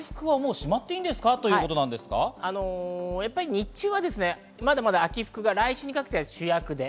日中はまだ秋服が来週にかけて主役です。